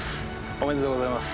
おめでとうございます。